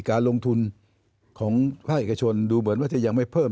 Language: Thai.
การลงทุนของภาคเอกชนดูเหมือนว่าจะยังไม่เพิ่ม